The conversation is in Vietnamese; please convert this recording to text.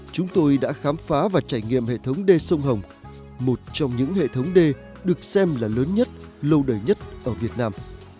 chúng tôi đã khám phá và trải nghiệm hệ thống đê sông hồng một trong những hệ thống đê được xem là lớn nhất lâu đời nhất ở việt nam